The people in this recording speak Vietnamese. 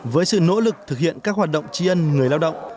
với sự nỗ lực thực hiện các hoạt động tri ân người lao động